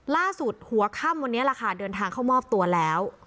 ล่าสุดหัวค่ำวันนี้ล่ะค่ะเดินทางเข้ามอบตัวแล้ว